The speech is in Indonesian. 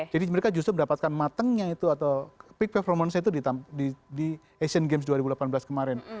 jadi mereka justru mendapatkan matangnya itu atau peak performance itu di sea games dua ribu delapan belas kemarin